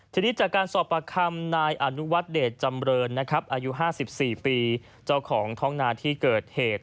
ทีนี้จากการสอบปากคำนายอนุวัฒน์เดชจำเรินนะครับอายุ๕๔ปีเจ้าของท้องนาที่เกิดเหตุ